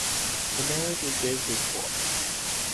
The marriage is Davis's fourth.